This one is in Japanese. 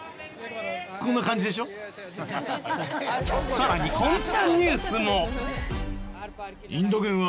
さらにこんなニュースも。